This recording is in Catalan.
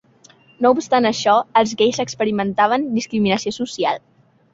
No obstant això, els gais experimentaven discriminació social.